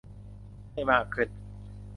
ให้มากขึ้น